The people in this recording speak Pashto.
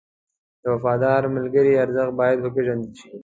د وفادار ملګري ارزښت باید وپېژندل شي.